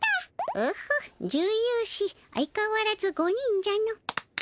オホッ十勇士相かわらず５人じゃの。